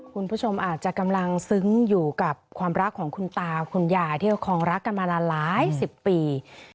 คุณผู้ชมอาจจะกำลังซึ้งอยู่กับความรักของคุณตาคุณยายที่ประคองรักกันมานานหลายสิบปี